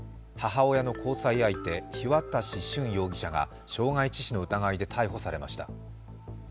母親の交際相手、日渡駿容疑者が傷害致死の疑いで逮捕されました。